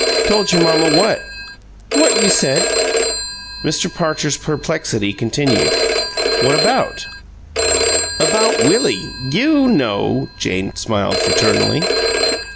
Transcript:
"Told your mamma what?" "What you said." Mr. Parcher's perplexity continued. "What about?" "About Willie. YOU know!" Jane smiled fraternally.